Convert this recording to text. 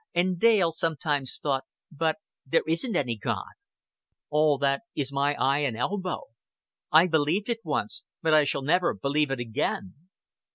And Dale sometimes thought: "But there isn't any God. All that is my eye and my elbow. I believed it once, but I shall never believe it again."